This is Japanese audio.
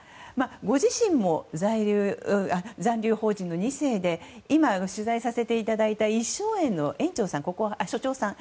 ご自身も残留邦人の２世で今、取材させていただいた一笑苑の所長さん